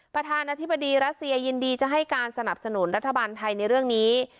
ประธานาธิบดีรัสเซียยินดีจะให้การสนับสนุนรัฐบาลไทยในเรื่องนี้